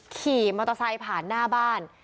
ขี่มอเตอร์ไซค์ผ่านหน้าบ้าน